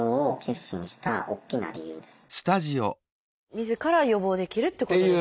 みずから予防できるってことですね